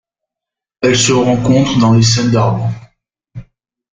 Elle se rencontre dans les Sundarbans.